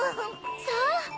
そう。